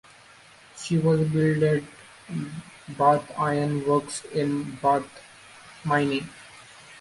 She was built at the Bath Iron Works in Bath, Maine.